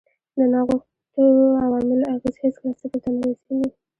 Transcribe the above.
د ناغوښتو عواملو اغېز هېڅکله صفر ته نه رسیږي.